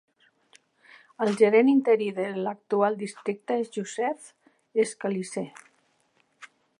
El gerent interí de l'actual districte és Joseph Scalise.